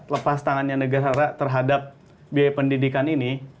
lepas tangannya negara terhadap biaya pendidikan ini